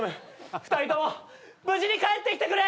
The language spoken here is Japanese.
２人とも無事に帰ってきてくれ！